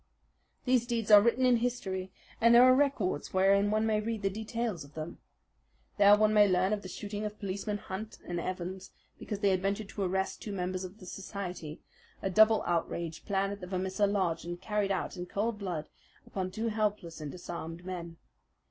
These deeds are written in history, and there are records wherein one may read the details of them. There one may learn of the shooting of Policemen Hunt and Evans because they had ventured to arrest two members of the society a double outrage planned at the Vermissa lodge and carried out in cold blood upon two helpless and disarmed men.